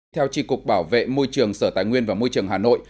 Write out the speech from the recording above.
theo tri cục bảo vệ môi trường sở tài nguyên và môi trường hà nội